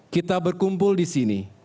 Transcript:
kita berkumpul di sini